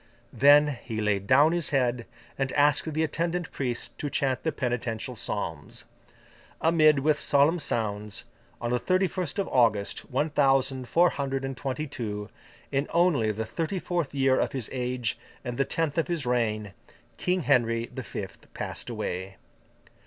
Then, he laid down his head, and asked the attendant priests to chant the penitential psalms. Amid which solemn sounds, on the thirty first of August, one thousand four hundred and twenty two, in only the thirty fourth year of his age and the tenth of his reign, King Henry the Fifth passed away.